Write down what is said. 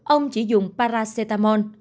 ông chỉ dùng paracetamol